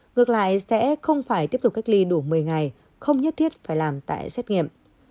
ngược lại sẽ không phải tiếp tục cách ly đủ một mươi ngày không nhất thiết phải làm tại xét nghiệm